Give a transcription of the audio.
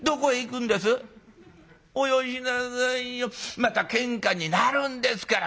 またけんかになるんですから」。